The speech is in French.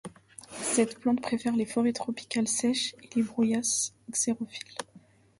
Cette plante préfère les forêts tropicales sèches et les broussailles xérophiles.